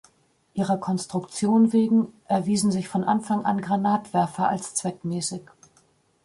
Ihrer Konstruktion wegen erwiesen sich von Anfang an Granatwerfer als zweckmäßig.